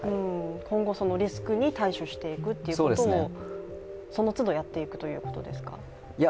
今後、リスクに対処していくということをそのつどやっていくということですか。